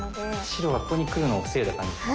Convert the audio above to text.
白がここに来るのを防いだ感じですか？